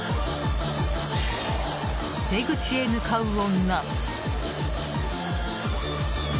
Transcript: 出口へ向かう女。